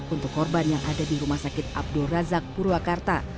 untuk korban yang ada di rumah sakit abdul razak purwakarta